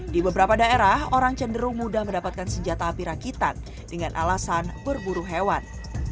di beberapa daerah orang cenderung mudah mendapatkan senjata api rakitan dengan alasan berburu hewan